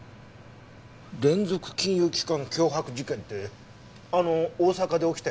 連続金融機関脅迫事件ってあの大阪で起きたやつ？